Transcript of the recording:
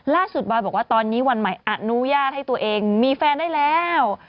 บอยบอกว่าตอนนี้วันใหม่อนุญาตให้ตัวเองมีแฟนได้แล้ว